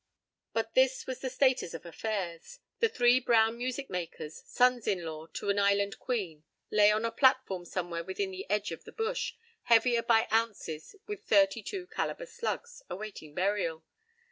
p> But this was the status of affairs. The three brown music makers, sons in law to an island queen, lay on a platform somewhere within the edge of the bush, heavier by ounces with thirty two caliber slugs, awaiting burial.